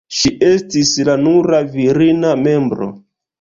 Ŝi estis la nura virina membro.